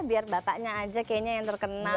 biar bapaknya aja kayaknya yang terkenal